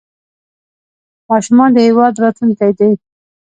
ماشومان د هېواد راتلونکی دی